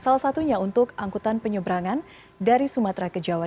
salah satunya untuk angkutan penyeberangan dari sumatera ke jawa